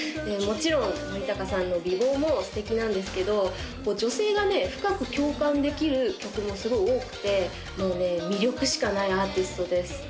もちろん森高さんの美貌も素敵なんですけど女性がね深く共感できる曲もすごい多くて魅力しかないアーティストです